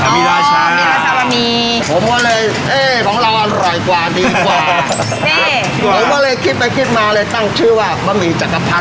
เหนื่อยว่าเลยคิดไปคิดมาเลยตั้งชื่อว่าบะหมี่จักรพัด